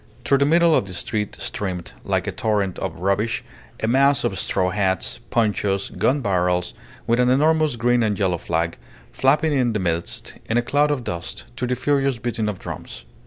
Through the middle of the street streamed, like a torrent of rubbish, a mass of straw hats, ponchos, gun barrels, with an enormous green and yellow flag flapping in their midst, in a cloud of dust, to the furious beating of drums.